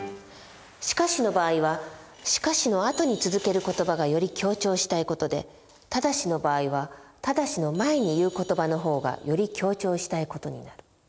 「しかし」の場合は「しかし」の後に続けることばがより強調したい事で「ただし」の場合は「ただし」の前に言うことばの方がより強調したい事になる。